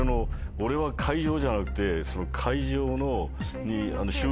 俺は会場じゃなくて。